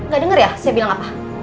gak dengar ya saya bilang apa